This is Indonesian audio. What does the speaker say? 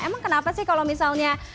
emang kenapa sih kalau misalnya